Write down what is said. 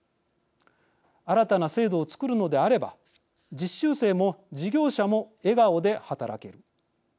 新たな制度を作るのであれば実習生も事業者も笑顔で働ける